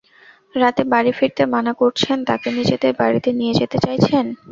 রাতে বাড়ি ফিরতে মানা করছেন, তাঁকে নিজেদের বাড়িতে নিয়ে যেতে চাইছেন।